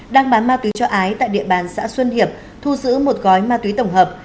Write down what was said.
đang bán ma túy cho ái tại địa bàn xã xuân hiệp thu giữ một gói ma túy tổng hợp